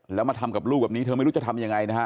แล้วมาทำกับลูกแบบนี้เธอไม่รู้จะทำยังไงนะฮะ